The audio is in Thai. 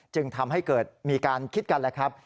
จึงทำให้เกิดมีการคิดกันแหละครับ